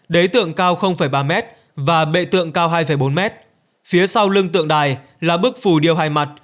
đế tượng cao ba m và bệ tượng cao hai bốn m phía sau lưng tượng đài là bức phủ điều hai mặt